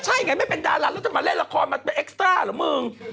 ใช่ไงไม่เป็นดาราแล้วจะมาเล่นละครมันเป็นเอ็กซ่าเหรอมึง